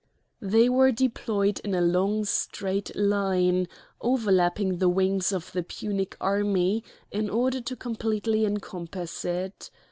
They were deployed in a long, straight line, overlapping the wings of the Punic army in order to completely encompass it.